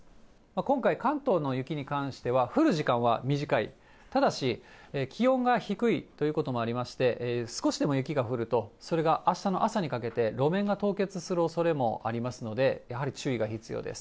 今回、関東の雪に関しては、降る時間は短い、ただし、気温が低いということもありまして、少しでも雪が降ると、それがあしたの朝にかけて路面が凍結するおそれもありますので、やはり注意が必要です。